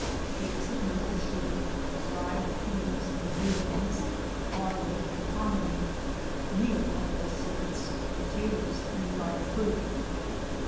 Cakes of maple sugar, dried peas and beans, barley and hominy, meal of all sorts, potatoes, and dried fruit.